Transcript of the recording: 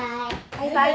バイバイ。